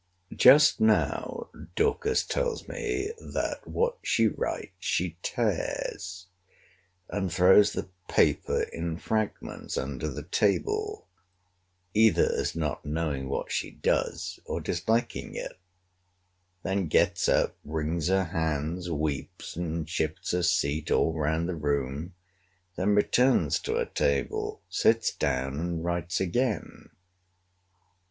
Just now Dorcas tells me, that what she writes she tears, and throws the paper in fragments under the table, either as not knowing what she does, or disliking it: then gets up, wrings her hands, weeps, and shifts her seat all round the room: then returns to her table, sits down, and writes again.